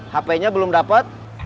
hp nya belum dapet